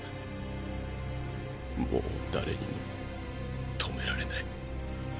もう誰にも止められない。